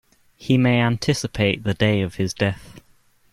He may anticipate the day of his death.